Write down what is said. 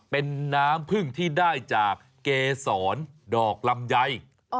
เป็นน้ำพึ่งที่ได้จากเกษรดอกลำไย